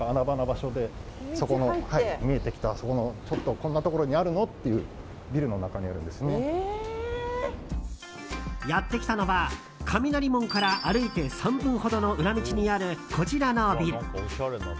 こんなところにあるの？っていうやってきたのは雷門から歩いて３分ほどの裏道にある、こちらのビル。